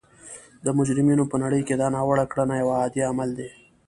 د مجرمینو په نړۍ کې دا ناوړه کړنه یو عادي عمل دی